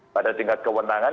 pada tingkat kewenangan